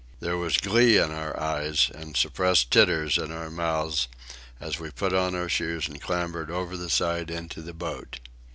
There was glee in our eyes, and suppressed titters in our mouths, as we put on our shoes and clambered over the side into the boat.